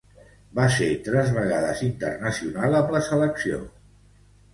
Va ser tres vegades internacional amb la selecció espanyola.